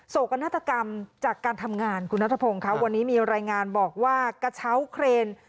กนาฏกรรมจากการทำงานคุณนัทพงศ์ค่ะวันนี้มีรายงานบอกว่ากระเช้าเครน